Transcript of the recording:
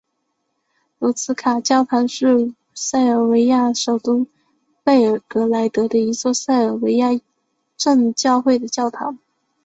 卢茨卡教堂是塞尔维亚首都贝尔格莱德的一座塞尔维亚正教会的教堂。